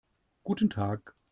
Guten Tag.